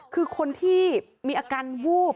คือคนที่มีอาการวูบ